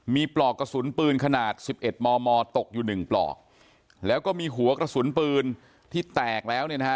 มีปลอกกระสุนปืนขนาดสิบเอ็ดมมตกอยู่หนึ่งปลอกแล้วก็มีหัวกระสุนปืนที่แตกแล้วเนี่ยนะฮะ